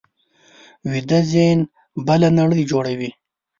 ویده ذهن بله نړۍ جوړوي